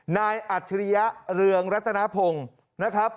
อัจฉริยะเรืองรัตนพงศ์นะครับ